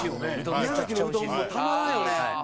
宮崎のうどんもたまらんよね。